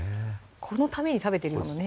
このために食べてるようなね